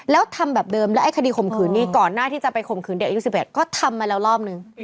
แล้วทำแบบเดิมแล้วไอ้คดีข่มขืนนี้ก่อนหน้าที่จะไปข่มขืนเด็กอายุ๑๑ก็ทำมาแล้วรอบนึง